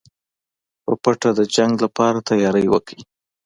په پټه د جنګ لپاره تیاری وکړئ.